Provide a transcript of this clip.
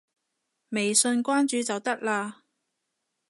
微信關注就得啦